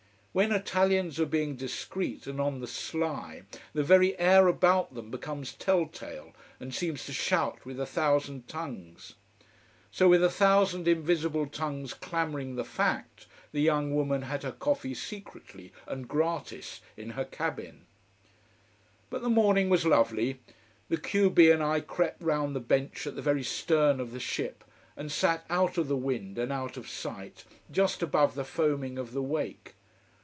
When Italians are being discreet and on the sly, the very air about them becomes tell tale, and seems to shout with a thousand tongues. So with a thousand invisible tongues clamouring the fact, the young woman had her coffee secretly and gratis, in her cabin. But the morning was lovely. The q b and I crept round the bench at the very stern of the ship and sat out of the wind and out of sight, just above the foaming of the wake.